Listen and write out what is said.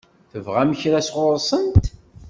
Tebɣam kra sɣur-sent?